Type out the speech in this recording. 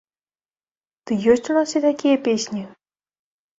Ды ёсць у нас і такія песні!